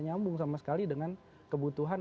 nyambung sama sekali dengan kebutuhan